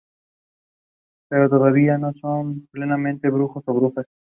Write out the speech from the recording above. Pero todavía no son plenamente brujos o brujas.